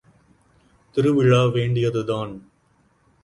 திருவிழா வேண்டியது தான்!